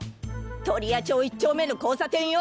鳥矢町１丁目の交差点よ！